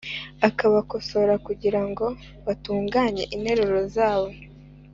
akabakosora kugira ngo batunganye interuro zabo,